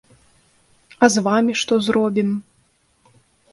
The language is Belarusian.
А з вамі што зробім?